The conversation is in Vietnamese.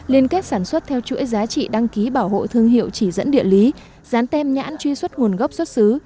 liên kết sản xuất theo chuỗi giá trị đăng ký bảo hộ thương hiệu chỉ dẫn địa lý dán tem nhãn truy xuất nguồn gốc xuất xứ